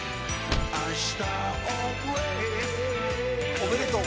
おめでとう。